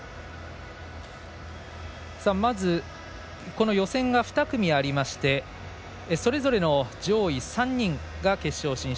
まず、予選が２組ありましてそれぞれの上位３人が決勝進出。